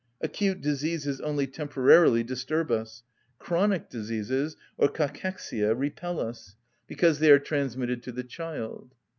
Acute diseases only temporarily disturb us, chronic diseases or cachexia repel us, because they are transmitted to the child.